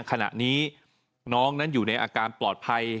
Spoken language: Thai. ขณะนี้น้องนั้นอยู่ในอาการปลอดภัย